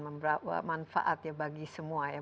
memanfaat ya bagi semua ya